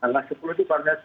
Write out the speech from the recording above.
tanggal sepuluh itu karena